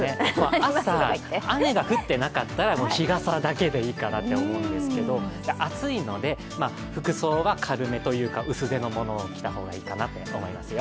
朝、雨が降ってなかったら、もう日傘だけでいいかなと思うんですけど、暑いので服装は軽めというか薄手のものを着た方がいいかなと思いますよ。